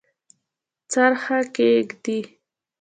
څرخه کښیږدي